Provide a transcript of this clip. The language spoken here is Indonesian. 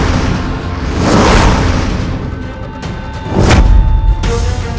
sampai jumpa lagi